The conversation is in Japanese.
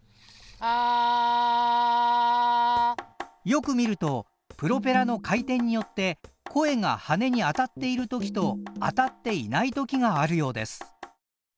よく見るとプロペラの回転によって声が羽根に当たっている時と当たっていない時があるようです。